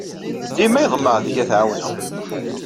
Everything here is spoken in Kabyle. Dima iḍemmeɛ deg-i ad t-ɛawneɣ.